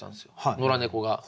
野良猫が。